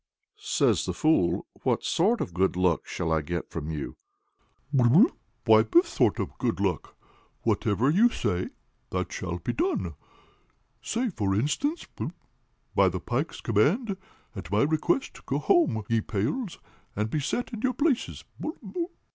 Says the fool, "What sort of good luck shall I get from you?" "Why, this sort of good luck: whatever you say, that shall be done. Say, for instance, 'By the Pike's command, at my request, go home, ye pails, and be set in your places.'"